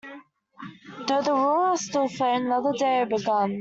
Though the aurora still flamed, another day had begun.